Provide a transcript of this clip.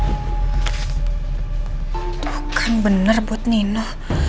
itu kan bener buat nino